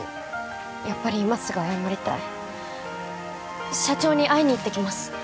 やっぱり今すぐ謝りたい社長に会いに行ってきます